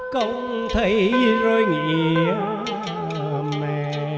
công thấy rơi nghỉ mẹ